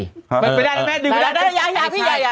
ไม่ได้นะแม่ดึงไปแล้วอย่าอย่าอย่า